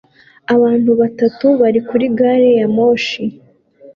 abantu batatu bari kuri gari ya moshi